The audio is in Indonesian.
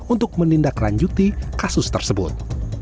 untuk menindaklanjuti kasus tersebut